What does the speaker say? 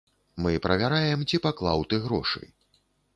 Мы правяраем, ці паклаў ты грошы.